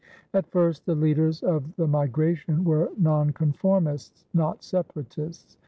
At first the leaders of the migration were Nonconformists not Separatists.